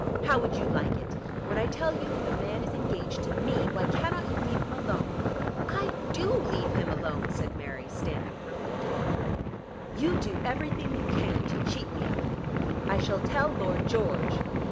How would you like it? When I tell you that the man is engaged to me why cannot you leave him alone?" "I do leave him alone," said Mary, stamping her foot. "You do everything you can to cheat me of him. I shall tell Lord George."